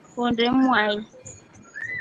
Honde mwai.